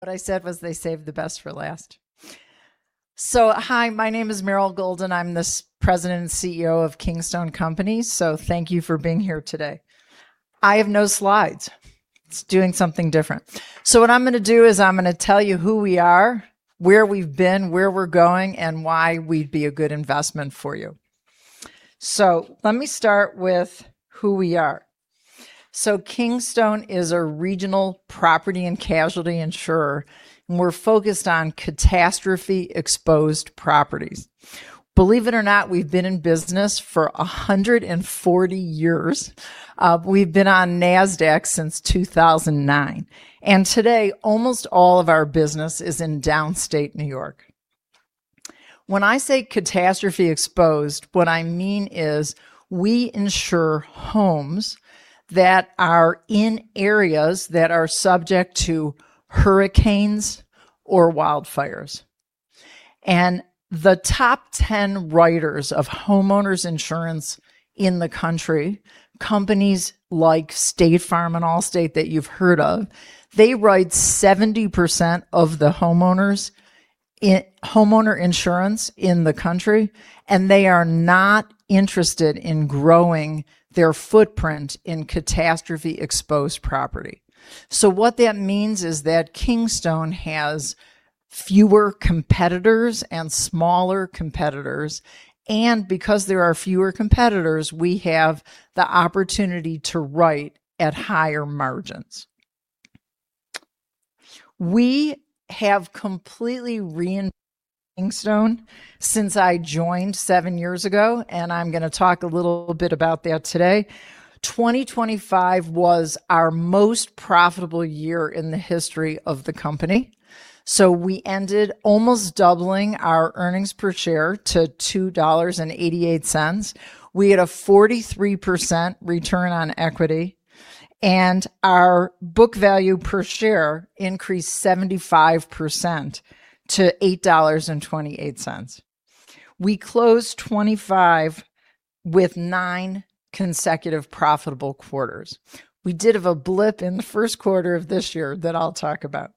What I said was they saved the best for last. Hi, my name is Meryl Golden. I'm the President and CEO of Kingstone Companies. Thank you for being here today. I have no slides. It's doing something different. What I'm going to do is I'm going to tell you who we are, where we've been, where we're going, and why we'd be a good investment for you. Let me start with who we are. Kingstone is a regional Property and Casualty insurer, and we're focused on catastrophe-exposed properties. Believe it or not, we've been in business for 140 years. We've been on NASDAQ since 2009. Today, almost all of our business is in downstate New York. When I say catastrophe exposed, what I mean is we insure homes that are in areas that are subject to hurricanes or wildfires. The Top 10 writers of homeowners insurance in the country, companies like State Farm and Allstate that you've heard of, they write 70% of the homeowner insurance in the country, and they are not interested in growing their footprint in catastrophe-exposed property. What that means is that Kingstone has fewer competitors and smaller competitors, and because there are fewer competitors, we have the opportunity to write at higher margins. We have completely reinvented Kingstone since I joined seven years ago, and I'm going to talk a little bit about that today. 2025 was our most profitable year in the history of the company. We ended almost doubling our earnings per share to $2.88. We had a 43% return on equity, and our book value per share increased 75% to $8.28. We closed 2025 with nine consecutive profitable quarters. We did have a blip in the first quarter of this year that I'll talk about.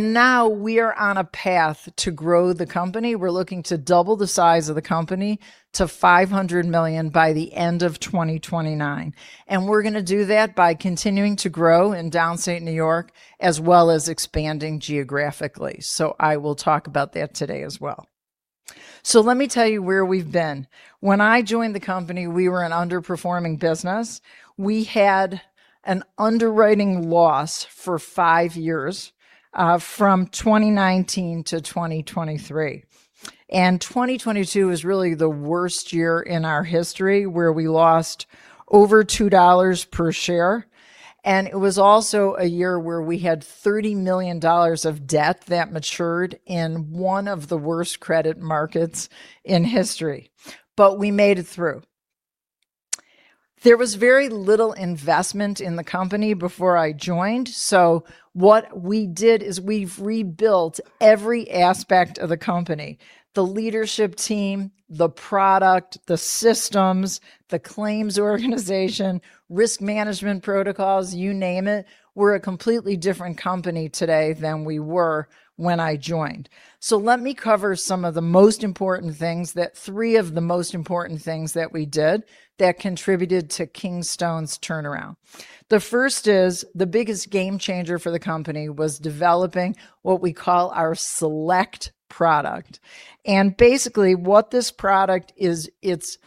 Now we are on a path to grow the company. We're looking to double the size of the company to $500 million by the end of 2029. We're going to do that by continuing to grow in downstate New York, as well as expanding geographically. I will talk about that today as well. Let me tell you where we've been. When I joined the company, we were an underperforming business. We had an underwriting loss for five years, from 2019 to 2023. 2022 was really the worst year in our history, where we lost over $2 per share, and it was also a year where we had $30 million of debt that matured in one of the worst credit markets in history. We made it through. There was very little investment in the company before I joined. What we did is we've rebuilt every aspect of the company, the leadership team, the product, the systems, the claims organization, risk management protocols, you name it. We're a completely different company today than we were when I joined. Let me cover some of the most important things that three of the most important things that we did that contributed to Kingstone's turnaround. The first is the biggest game changer for the company was developing what we call our Select product. Basically what this product is, it's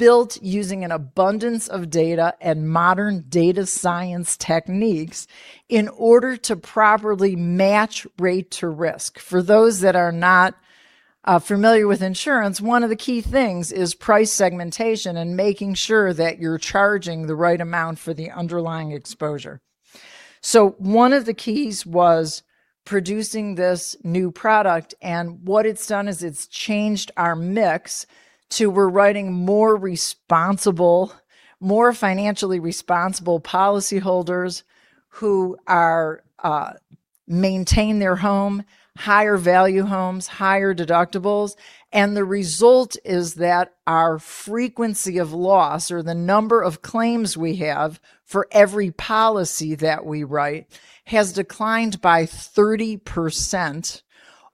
built using an abundance of data and modern data science techniques in order to properly match rate to risk. For those that are not familiar with insurance, one of the key things is price segmentation and making sure that you're charging the right amount for the underlying exposure. One of the keys was producing this new product, what it's done is it's changed our mix to we're writing more responsible, more financially responsible policyholders who maintain their home, higher value homes, higher deductibles. The result is that our frequency of loss or the number of claims we have for every policy that we write has declined by 30%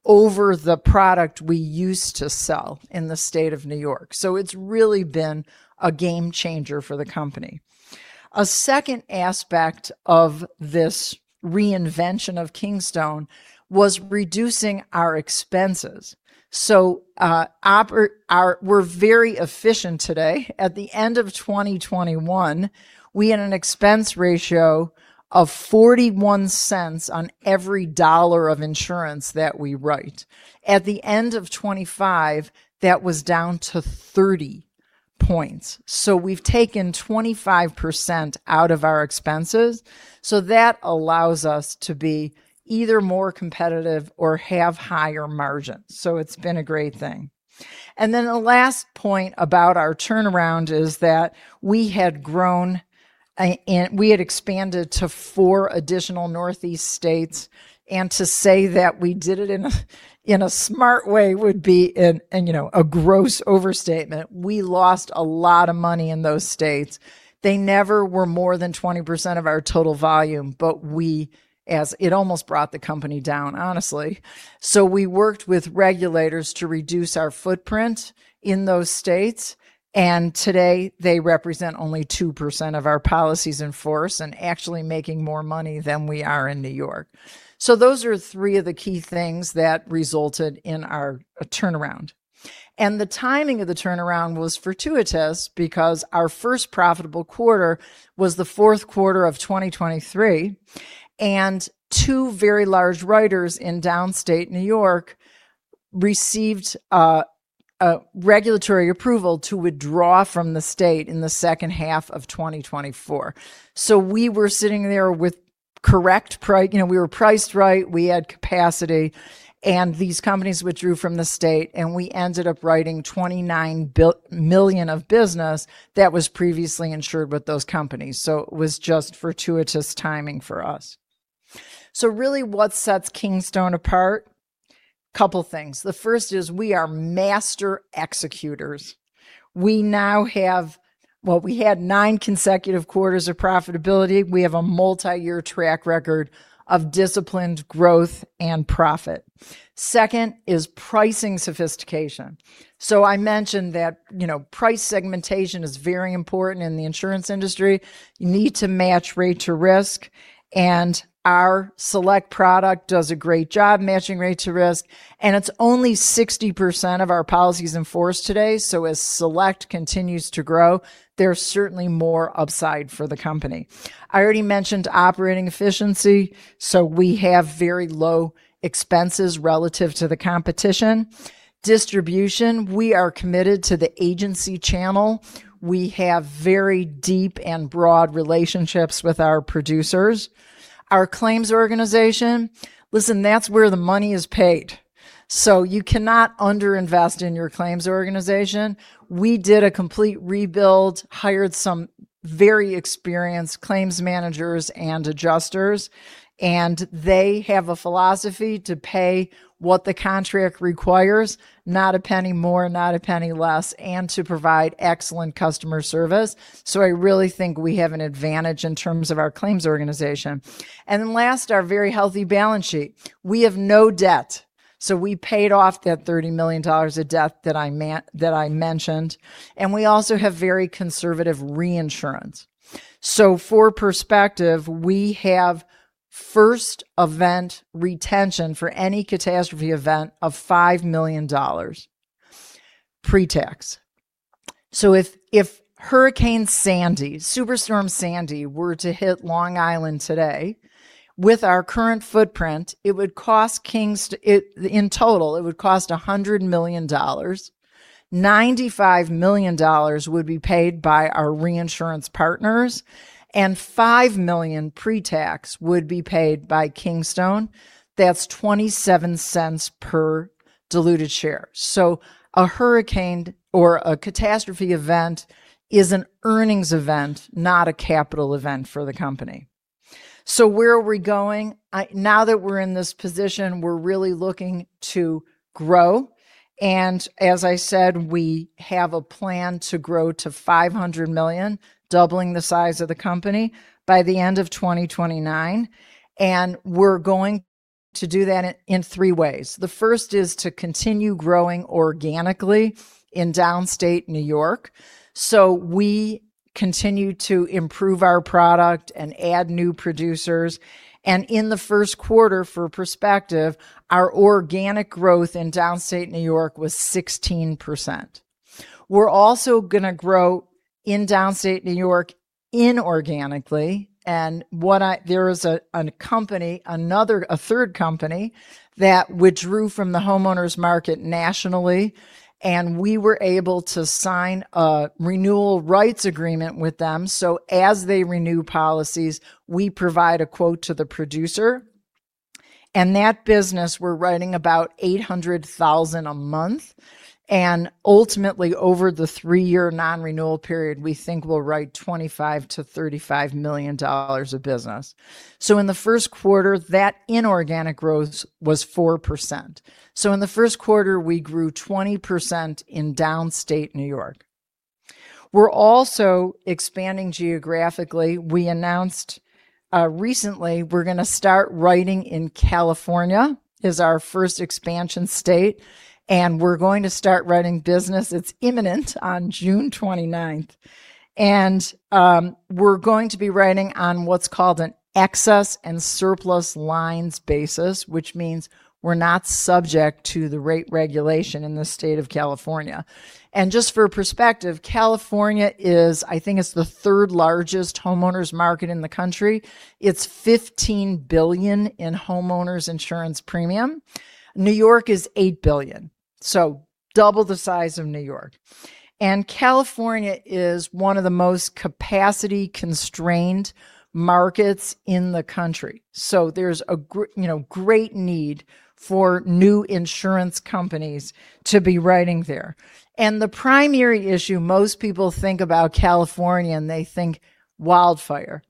over the product we used to sell in the state of New York. It's really been a game changer for the company. A second aspect of this reinvention of Kingstone was reducing our expenses. We're very efficient today. At the end of 2021, we had an expense ratio of $0.41 on every dollar of insurance that we write. At the end of 2025, that was down to 30 points. We've taken 25% out of our expenses. That allows us to be either more competitive or have higher margins. It's been a great thing. The last point about our turnaround is that we had grown, and we had expanded to four additional Northeast states. To say that we did it in a smart way would be a gross overstatement. We lost a lot of money in those states. They never were more than 20% of our total volume, but it almost brought the company down, honestly. We worked with regulators to reduce our footprint in those states, and today they represent only 2% of our policies in force, and actually making more money than we are in New York. Those are three of the key things that resulted in our turnaround. The timing of the turnaround was fortuitous because our first profitable quarter was the fourth quarter of 2023, and two very large writers in downstate New York. received regulatory approval to withdraw from the state in the second half of 2024. We were sitting there with correct price. We were priced right, we had capacity, and these companies withdrew from the state, and we ended up writing $29 million of business that was previously insured with those companies. It was just fortuitous timing for us. Really what sets Kingstone apart? Couple things. The first is we are master executors. We had nine consecutive quarters of profitability. We have a multi-year track record of disciplined growth and profit. Second is pricing sophistication. I mentioned that price segmentation is very important in the insurance industry. You need to match rate to risk, our Select product does a great job matching rate to risk, it's only 60% of our policies in force today. As Select continues to grow, there's certainly more upside for the company. I already mentioned operating efficiency, we have very low expenses relative to the competition. Distribution, we are committed to the agency channel. We have very deep and broad relationships with our producers. Our claims organization, listen, that's where the money is paid. You cannot under-invest in your claims organization. We did a complete rebuild, hired some very experienced claims managers and adjusters, and they have a philosophy to pay what the contract requires, not a penny more, not a penny less, and to provide excellent customer service. I really think we have an advantage in terms of our claims organization. Last, our very healthy balance sheet. We have no debt. We paid off that $30 million of debt that I mentioned, and we also have very conservative reinsurance. For perspective, we have first event retention for any catastrophe event of $5 million pre-tax. If Hurricane Sandy, Superstorm Sandy were to hit Long Island today, with our current footprint, in total, it would cost $100 million. $95 million would be paid by our reinsurance partners, and $5 million pre-tax would be paid by Kingstone. That's $0.27 per diluted share. A hurricane or a catastrophe event is an earnings event, not a capital event for the company. Where are we going? Now that we're in this position, we're really looking to grow. As I said, we have a plan to grow to $500 million, doubling the size of the company, by the end of 2029. We're going to do that in three ways. The first is to continue growing organically in downstate New York. We continue to improve our product and add new producers. In the first quarter, for perspective, our organic growth in downstate New York was 16%. We're also going to grow in downstate New York inorganically, and there is a third company that withdrew from the homeowners market nationally, and we were able to sign a renewal rights agreement with them. As they renew policies, we provide a quote to the producer. That business, we're writing about $800,000 a month, and ultimately over the three-year non-renewal period, we think we'll write $25 million-$35 million of business. In the first quarter, that inorganic growth was 4%. In the first quarter, we grew 20% in downstate New York. We're also expanding geographically. We announced recently we're going to start writing in California, is our first expansion state, and we're going to start writing business. It's imminent on June 29th. We're going to be writing on what's called an excess and surplus lines basis, which means we're not subject to the rate regulation in the state of California. Just for perspective, California is, I think it's the third largest homeowners market in the country. It's $15 billion in homeowners insurance premium. New York is $8 billion. Double the size of New York. California is one of the most capacity-constrained markets in the country. There's a great need for new insurance companies to be writing there. The primary issue, most people think about California and they think wildfire.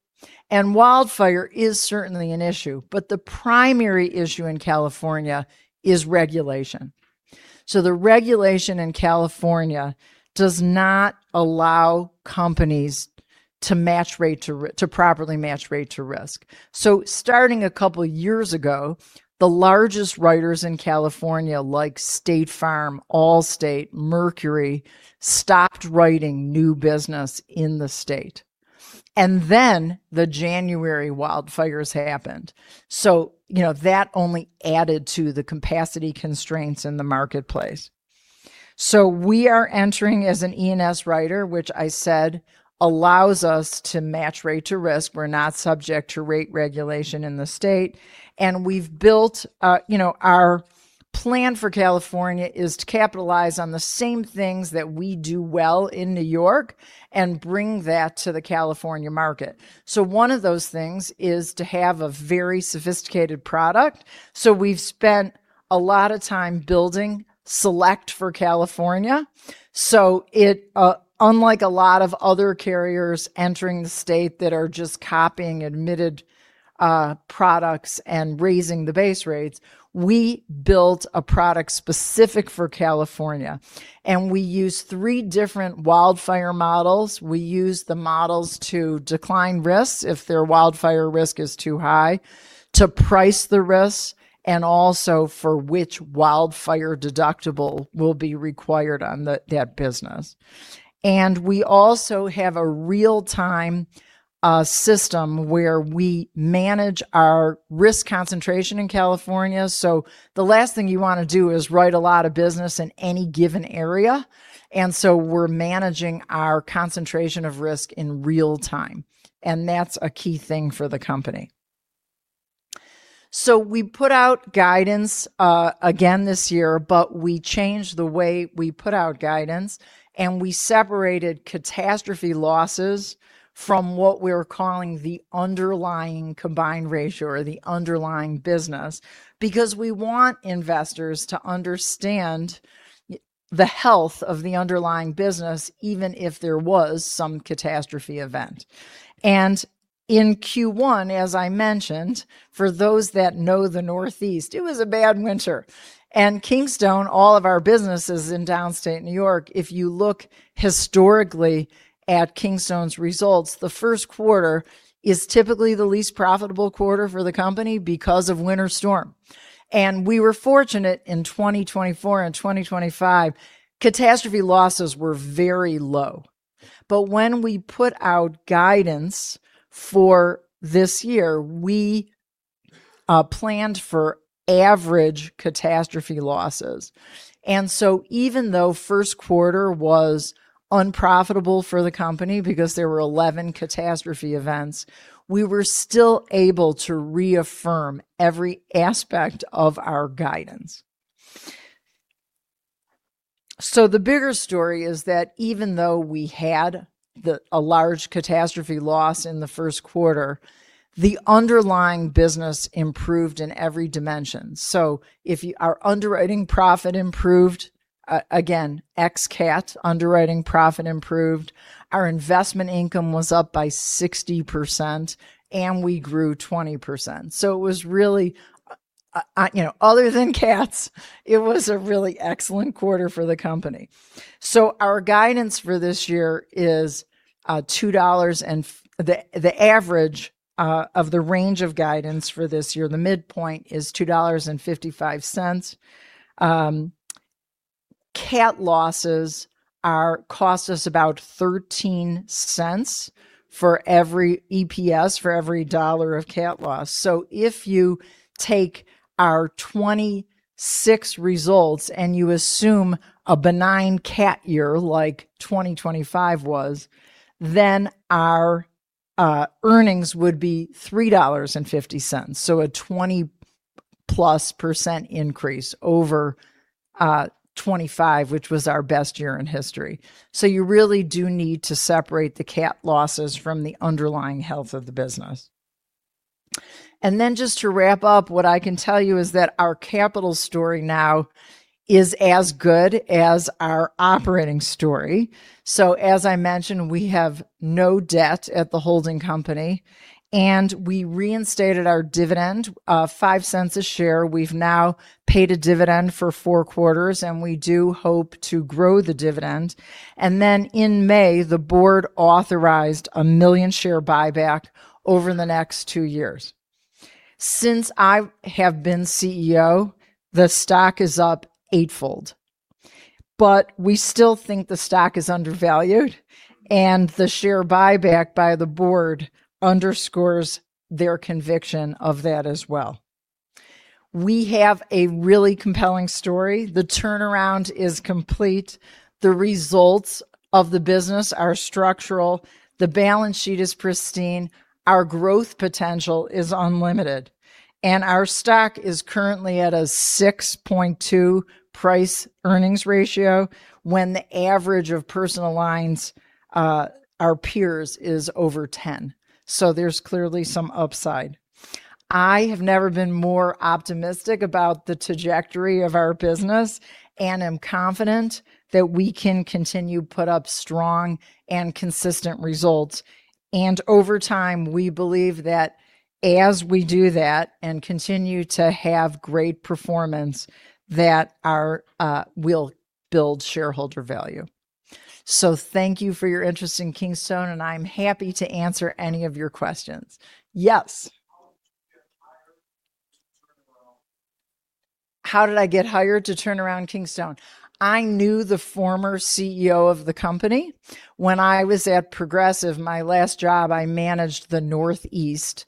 Wildfire is certainly an issue, but the primary issue in California is regulation. The regulation in California does not allow companies to properly match rate to risk. Starting a couple years ago, the largest writers in California, like State Farm, Allstate, Mercury, stopped writing new business in the state. The January wildfires happened. That only added to the capacity constraints in the marketplace. We are entering as an E&S writer, which I said allows us to match rate to risk. We're not subject to rate regulation in the state, and our plan for California is to capitalize on the same things that we do well in New York and bring that to the California market. One of those things is to have a very sophisticated product. We've spent a lot of time building Select for California. It, unlike a lot of other carriers entering the state that are just copying admitted products and raising the base rates, we built a product specific for California, and we use three different wildfire models. We use the models to decline risks if their wildfire risk is too high to price the risks, and also for which wildfire deductible will be required on that business. We also have a real-time system where we manage our risk concentration in California. The last thing you want to do is write a lot of business in any given area. We're managing our concentration of risk in real time, and that's a key thing for the company. We put out guidance again this year, but we changed the way we put out guidance, and we separated catastrophe losses from what we're calling the underlying combined ratio or the underlying business, because we want investors to understand the health of the underlying business, even if there was some catastrophe event. In Q1, as I mentioned, for those that know the Northeast, it was a bad winter. Kingstone, all of our businesses in downstate New York, if you look historically at Kingstone's results, the first quarter is typically the least profitable quarter for the company because of winter storm. We were fortunate in 2024 and 2025, catastrophe losses were very low. When we put out guidance for this year, we planned for average catastrophe losses. Even though first quarter was unprofitable for the company because there were 11 catastrophe events, we were still able to reaffirm every aspect of our guidance. The bigger story is that even though we had a large catastrophe loss in the first quarter, the underlying business improved in every dimension. Our underwriting profit improved. Again, ex cat underwriting profit improved. Our investment income was up by 60%, and we grew 20%. Other than cats it was a really excellent quarter for the company. Our guidance for this year is the average of the range of guidance for this year, the midpoint is $2.55. Cat losses cost us about $0.13 for every EPS, for every dollar of cat loss. If you take our 2026 results and you assume a benign cat year like 2025 was, then our earnings would be $3.50. A 20+% increase over 2025, which was our best year in history. You really do need to separate the cat losses from the underlying health of the business. Just to wrap up, what I can tell you is that our capital story now is as good as our operating story. As I mentioned, we have no debt at the holding company, and we reinstated our dividend of $0.05 a share. We've now paid a dividend for four quarters, and we do hope to grow the dividend. In May, the board authorized a 1 million-share buyback over the next two years. Since I have been CEO, the stock is up eightfold. We still think the stock is undervalued, and the share buyback by the board underscores their conviction of that as well. We have a really compelling story. The turnaround is complete. The results of the business are structural. The balance sheet is pristine. Our growth potential is unlimited. Our stock is currently at a 6.2 price-earnings ratio, when the average of personal lines, our peers, is over 10. There's clearly some upside. I have never been more optimistic about the trajectory of our business, and am confident that we can continue put up strong and consistent results. Over time, we believe that as we do that and continue to have great performance, that we'll build shareholder value. Thank you for your interest in Kingstone, and I'm happy to answer any of your questions. Yes. How did you get hired to turn around? How did I get hired to turn around Kingstone? I knew the former CEO of the company. When I was at Progressive, my last job, I managed the Northeast,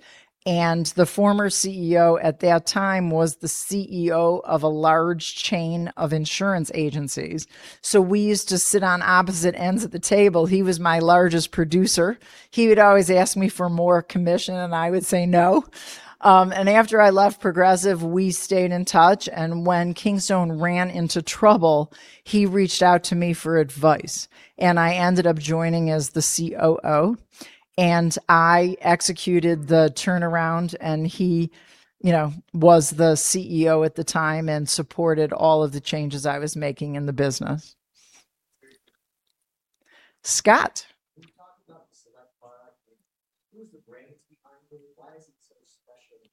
and the former CEO at that time was the CEO of a large chain of insurance agencies. We used to sit on opposite ends of the table. He was my largest producer. He would always ask me for more commission, and I would say no. After I left Progressive, we stayed in touch. When Kingstone ran into trouble, he reached out to me for advice, and I ended up joining as the COO. I executed the turnaround, and he was the CEO at the time and supported all of the changes I was making in the business. Scott? Can you talk about the Select product? Who's the brains behind it? Why is it so special? Again,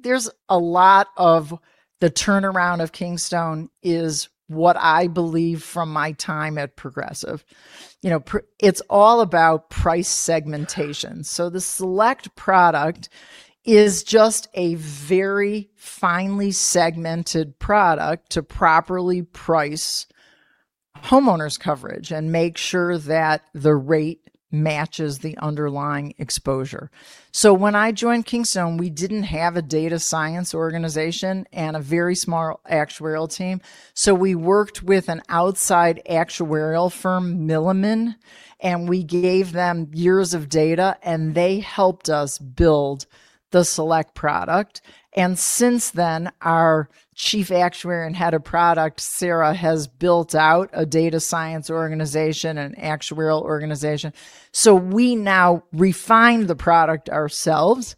there's a lot of the turnaround of Kingstone is what I believe from my time at Progressive. It's all about price segmentation. The Select product is just a very finely segmented product to properly price homeowners coverage and make sure that the rate matches the underlying exposure. When I joined Kingstone, we didn't have a data science organization and a very small actuarial team. We worked with an outside actuarial firm, Milliman, and we gave them years of data, and they helped us build the Select product. Since then, our Chief Actuary and Head of Product, Sarah, has built out a data science organization and actuarial organization. We now refine the product ourselves.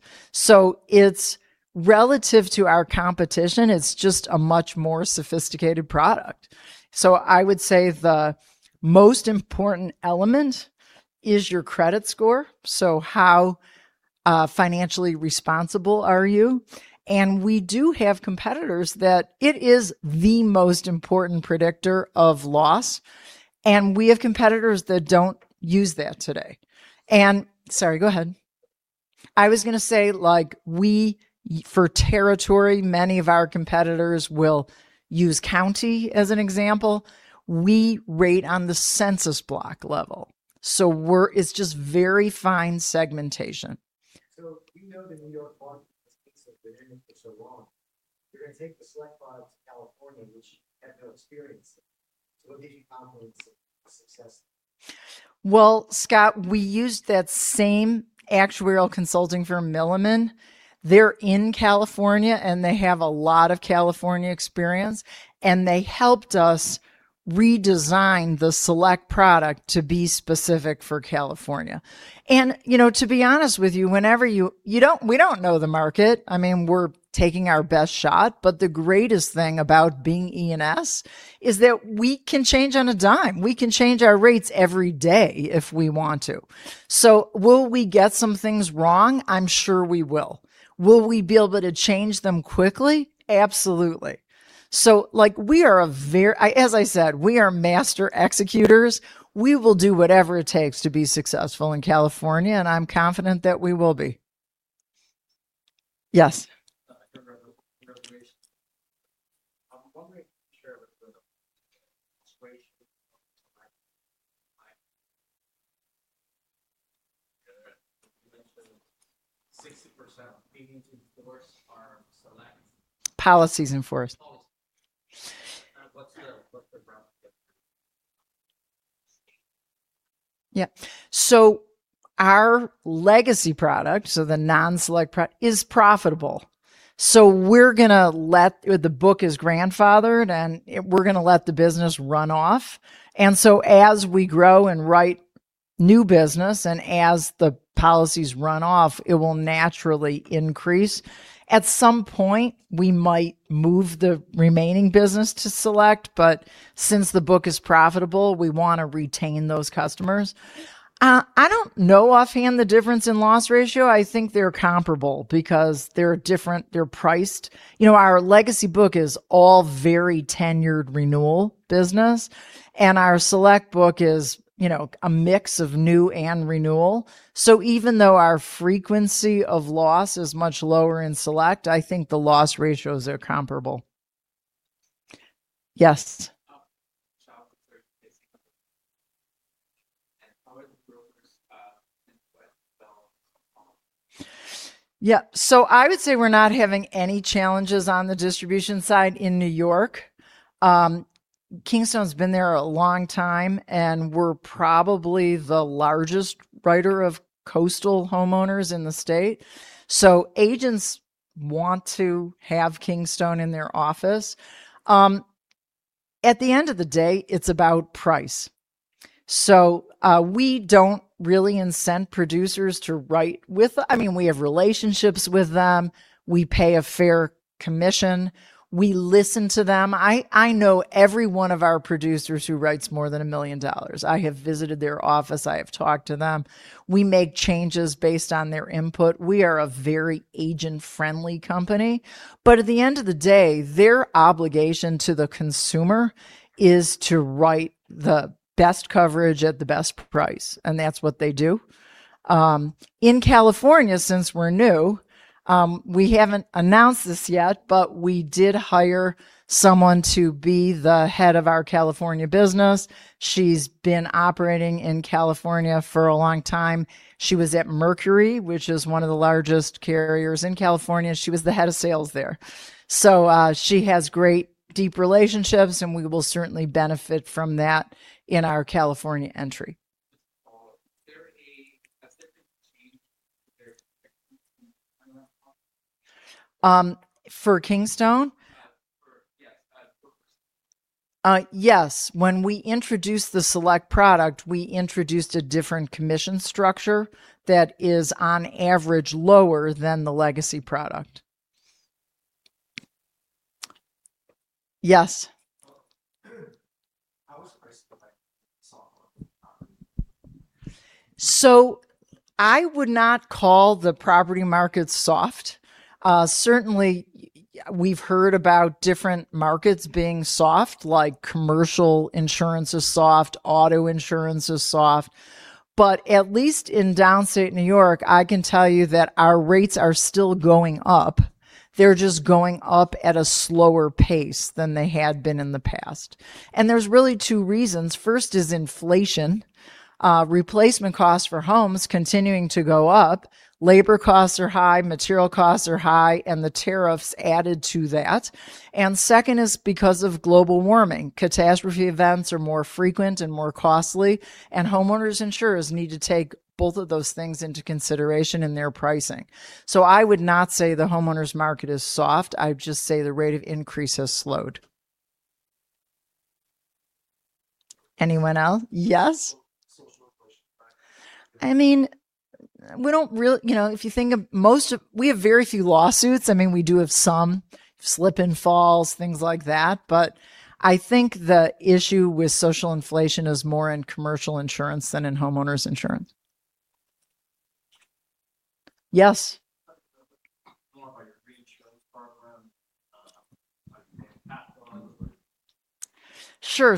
Relative to our competition, it's just a much more sophisticated product. I would say the most important element is your credit score, so how financially responsible are you? We do have competitors that it is the most important predictor of loss, and we have competitors that don't use that today. Sorry, go ahead. I was going to say for territory, many of our competitors will use county as an example. We rate on the census block level. It's just very fine segmentation. You know the New York market, because it's been in it for so long. You're going to take the Select product to California, which you have no experience in. What gave you confidence in its success? Well, Scott, we used that same actuarial consulting firm, Milliman. They're in California, and they have a lot of California experience, and they helped us redesign the Select product to be specific for California. To be honest with you, we don't know the market. We're taking our best shot. The greatest thing about being E&S is that we can change on a dime. We can change our rates every day if we want to. Will we get some things wrong? I'm sure we will. Will we be able to change them quickly? Absolutely. As I said, we are master executors. We will do whatever it takes to be successful in California, and I'm confident that we will be. Yes. What makes you sure of a situation? You mentioned 60% of bookings in force are Select. Policies in force. Policies. What's the? Yeah. Our legacy product, so the non-Select product, is profitable. The book is grandfathered, and we're going to let the business run off. As we grow and write new business and as the policies run off, it will naturally increase. At some point, we might move the remaining business to Select, since the book is profitable, we want to retain those customers. I don't know offhand the difference in loss ratio. I think they're comparable because they're different. They're priced. Our legacy book is all very tenured renewal business, our Select book is a mix of new and renewal. Even though our frequency of loss is much lower in Select, I think the loss ratios are comparable. Yes. Yeah. I would say we're not having any challenges on the distribution side in New York. Kingstone has been there a long time, and we are probably the largest writer of coastal homeowners in the state. Agents want to have Kingstone in their office. At the end of the day, it is about price. We do not really incent producers to write with-- We have relationships with them. We pay a fair commission. We listen to them. I know every one of our producers who writes more than $1 million. I have visited their office. I have talked to them. We make changes based on their input. We are a very agent-friendly company. But at the end of the day, their obligation to the consumer is to write the best coverage at the best price, and that is what they do. In California, since we are new, we have not announced this yet, but we did hire someone to be the head of our California business. She has been operating in California for a long time. She was at Mercury, which is one of the largest carriers in California. She was the head of sales there. She has great, deep relationships, and we will certainly benefit from that in our California entry. For Kingstone? Yes. For Kingstone. Yes. When we introduced the Select product, we introduced a different commission structure that is on average lower than the legacy product. Yes. How is the price soft on the property? I would not call the property market soft. Certainly, we've heard about different markets being soft, like commercial insurance is soft, auto insurance is soft. At least in downstate New York, I can tell you that our rates are still going up. They're just going up at a slower pace than they had been in the past. There's really two reasons. First is inflation. Replacement costs for homes continuing to go up. Labor costs are high, material costs are high, and the tariffs added to that. Second is because of global warming. Catastrophe events are more frequent and more costly, and homeowners insurers need to take both of those things into consideration in their pricing. I would not say the homeowners market is soft, I'd just say the rate of increase has slowed. Anyone else? Yes. We have very few lawsuits. We do have some slip and falls, things like that. I think the issue with social inflation is more in commercial insurance than in homeowners insurance. Yes. More of a reinsurance program. Sure.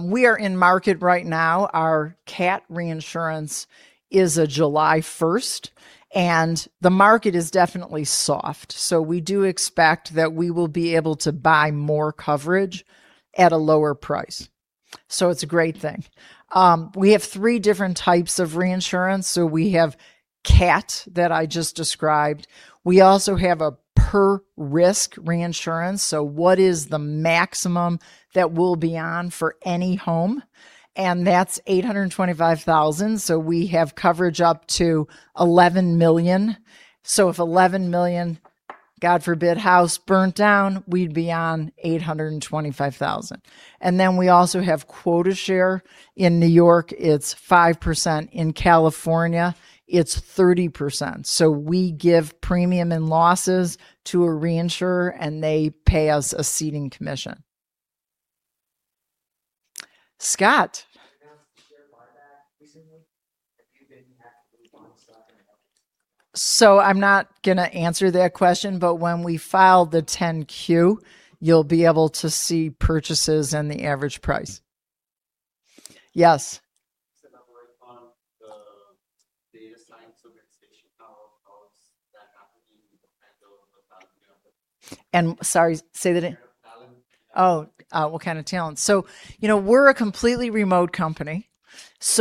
We are in market right now. Our catastrophe reinsurance is July 1st, and the market is definitely soft. We do expect that we will be able to buy more coverage at a lower price. It's a great thing. We have three different types of reinsurance. We have CAT that I just described. We also have a per-risk reinsurance. What is the maximum that we'll be on for any home? That's $825,000. We have coverage up to $11 million. If $11 million, God forbid, house burnt down, we'd be on $825,000. We also have quota share. In New York, it's 5%. In California, it's 30%. We give premium and losses to a reinsurer, and they pay us a ceding commission. Scott. Announced the share buyback recently. Have you been actively I'm not going to answer that question, but when we file the 10-Q, you'll be able to see purchases and the average price. Yes. Now working on the data science organization, how Sorry, say that again. What kind of talent? What kind of talent? We're a completely remote company.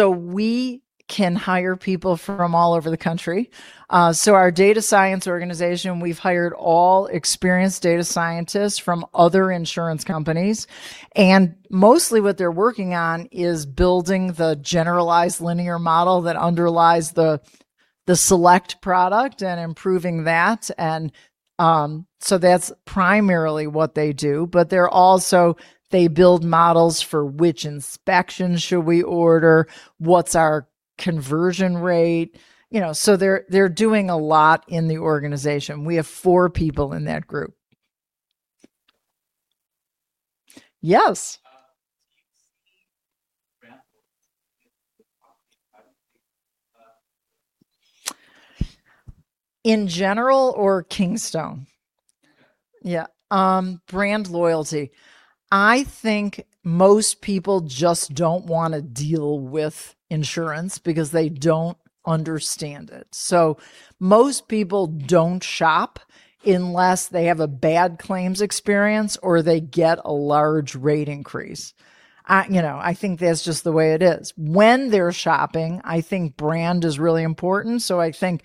We can hire people from all over the country. Our data science organization, we've hired all experienced data scientists from other insurance companies. Mostly what they're working on is building the generalized linear model that underlies the Select product and improving that. That's primarily what they do. They're also, they build models for which inspections should we order, what's our conversion rate. They're doing a lot in the organization. We have four people in that group. Yes. Do you see In general or Kingstone? In general. Yeah. Brand loyalty. I think most people just don't want to deal with insurance because they don't understand it. Most people don't shop unless they have a bad claims experience or they get a large rate increase. I think that's just the way it is. When they're shopping, I think brand is really important. I think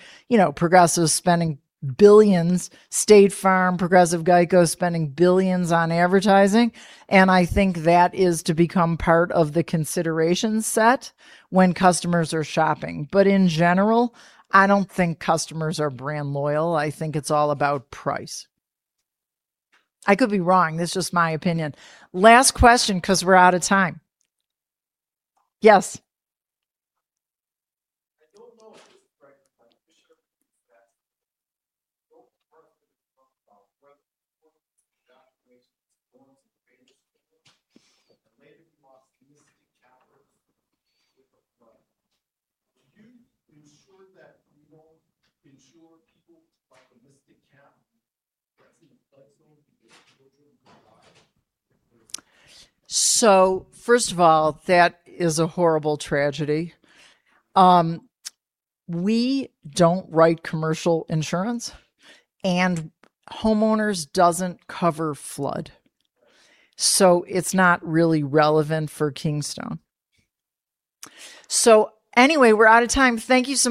Progressive's spending billions, State Farm, Progressive, GEICO, spending billions on advertising. I think that is to become part of the consideration set when customers are shopping. In general, I don't think customers are brand loyal. I think it's all about price. I could be wrong. That's just my opinion. Last question, because we're out of time. Yes. I don't know if this is correct, I'm pretty sure North Bergen talked about flood insurance going to the 80s and later we lost the Camp Mystic with a flood. Do you ensure that you won't insure people like the Mystic cabin that's in a flood zone because children could die? First of all, that is a horrible tragedy. We don't write commercial insurance, and homeowners doesn't cover flood. It's not really relevant for Kingstone. Anyway, we're out of time. Thank you so much.